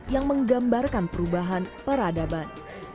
yang menggambarkan perubahan peradaban